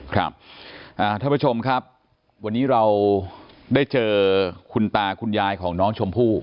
ท่านผู้ชมครับวันนี้เราได้เจอคุณตาคุณยายของน้องชมพู่